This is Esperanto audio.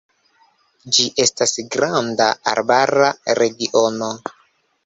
Ĝi estas granda arbara regiono.